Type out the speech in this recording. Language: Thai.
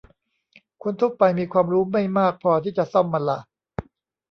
คนทั่วไปมีความรู้ไม่มากพอที่จะซ่อมมันละ